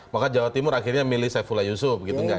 maka jawa timur akhirnya memilih saifullah yusuf gitu enggak